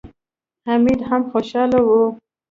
حميد هم خوشاله و.